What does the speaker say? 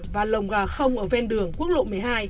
và lồng gà không ở ven đường quốc lộ một mươi hai